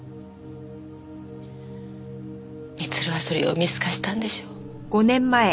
光留はそれを見透かしたんでしょう。